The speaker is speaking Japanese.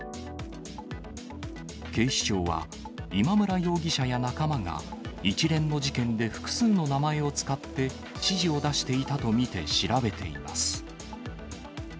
警視庁は、今村容疑者や仲間が、一連の事件で複数の名前を使って指示を出していたと見て調べています。